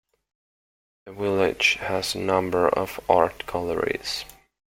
The village has a number of art galleries.